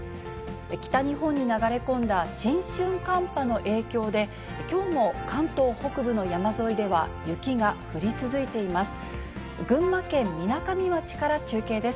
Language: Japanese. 北日本に流れ込んだ新春寒波の影響で、きょうも関東北部の山沿いでは雪が降り続いています。